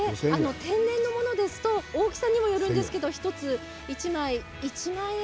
天然のものですと大きさにもよりますけど１つ１万円、